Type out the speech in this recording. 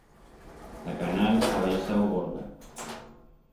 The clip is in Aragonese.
La canal ha baixau gorda.